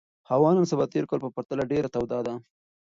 هوا نن سبا د تېر کال په پرتله ډېره توده ده.